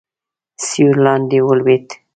سپور لاندې ولوېد.